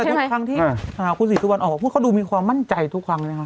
แต่ทุกครั้งที่คุณศรีสุวรรณออกมาพูดเขาดูมีความมั่นใจทุกครั้งไหมคะ